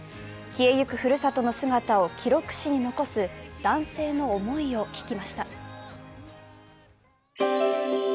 消えゆくふるさとを記録誌に残す男性の思いを聞きました。